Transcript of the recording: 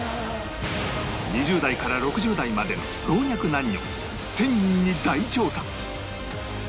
２０代から６０代までの老若男女１０００人に大調査